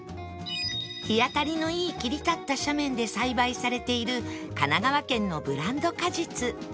日当たりのいい切り立った斜面で栽培されている神奈川県のブランド果実